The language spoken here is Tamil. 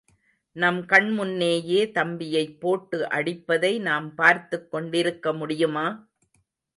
நம் கண்முன்னேயே தம்பியைப் போட்டு அடிப்பதை நாம் பார்த்துக் கொண்டிருக்க முடியுமா?